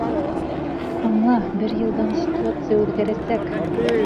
Аңла, бер йылдан ситуация үҙгәрәсәк!